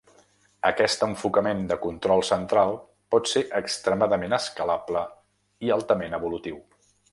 Aquest enfocament de control central pot ser extremadament escalable i altament evolutiu.